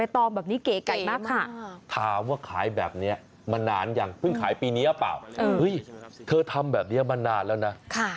เธอทำแบบแล้วเนียเนี่ยมานานแล้วนะ